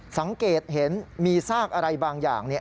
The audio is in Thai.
สังเกตเห็นมีซากอะไรบางอย่าง